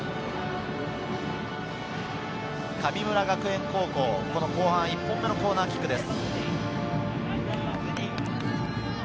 神村学園高校、後半１本目のコーナーキックです。